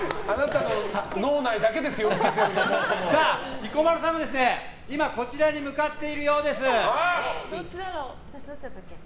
彦摩呂さんが今こちらに向かっているようです。